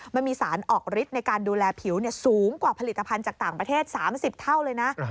มันมีสารออกฤทธิ์ในการดูแลผิวสูงกว่าผลิตภัณฑ์จากต่างประเทศ๓๐เท่าเลยนะ